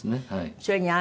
それに「雨」。